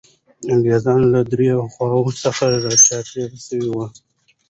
انګریزان له دریو خواوو څخه را چاپېر سوي وو.